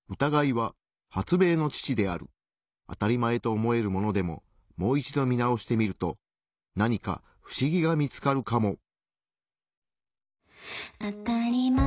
当たり前と思えるものでももう一度見直してみると何か不思議が見つかるかも。